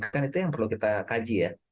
kan itu yang perlu kita kaji ya